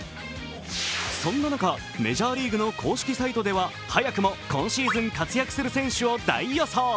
そんな中メジャーリーグの公式サイトの中では早くも今シーズン活躍する選手を大予想。